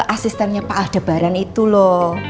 asistennya pak aldebaran itu loh